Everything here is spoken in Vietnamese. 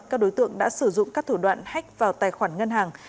các đối tượng đã sử dụng các thủ đoạn hách vào tài khoản ngân hàng